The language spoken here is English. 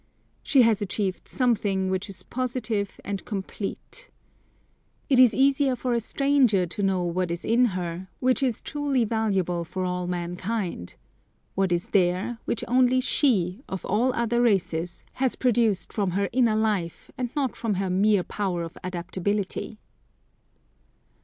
She has achieved something, which is positive and complete. It is easier for a stranger to know what it is in her, which is truly valuable for all mankind, what is there, which only she, of all other races, has produced from her inner life and not from her mere power of adaptability.